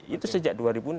itu sejak dua ribu enam belas